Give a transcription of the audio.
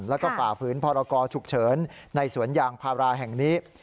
แล้วก็ฝ่าฝืนพรกรฉุกเฉินในสวนยางพาราแห่งนี้